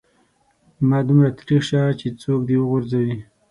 مه دومره تريخ سه چې څوک دي و غورځوي.